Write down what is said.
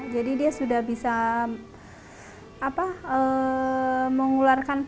jadi dia berubah menjadi pembawa pembawaan inkubator gratis